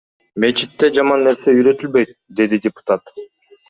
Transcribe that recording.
Мечитте жаман нерсе үйрөтүлбөйт, — деди депутат.